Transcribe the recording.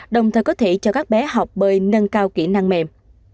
đồng thời có thể cho các bé học bơi nâng cao kỹ năng mềm